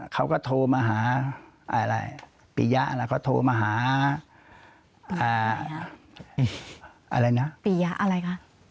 เขาก็โทรมาหาอะไรปียะแล้วเขาโทรมาหาอะไรนะปียะอะไรคะ